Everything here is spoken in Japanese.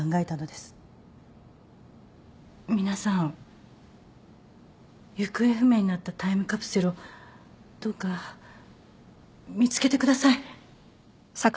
皆さん行方不明になったタイムカプセルをどうか見つけてください。